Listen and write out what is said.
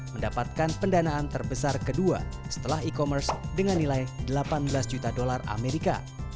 mendapatkan pendanaan terbesar kedua setelah e commerce dengan nilai rp delapan belas juta